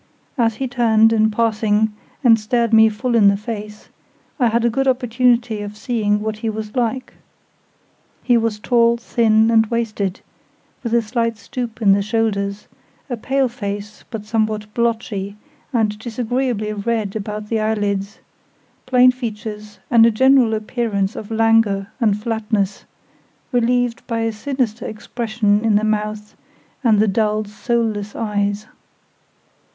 As he turned, in passing, and stared me full in the face, I had a good opportunity of seeing what he was like. He was tall, thin, and wasted, with a slight stoop in the shoulders, a pale face, but somewhat blotchy, and disagreeably red about the eyelids, plain features, and a general appearance of languor and flatness, relieved by a sinister expression in the mouth and the dull, soulless eyes.